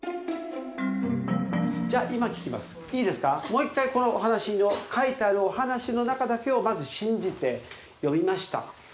もう一回このお話の書いてあるお話の中だけをまず信じて読みました。